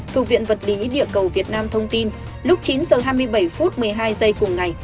thuộc viện vật lý địa cầu việt nam thông tin lúc chín h hai mươi bảy phút một mươi hai giây cùng ngày